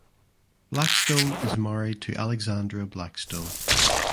Blackstone is married to Alexandra Blackstone.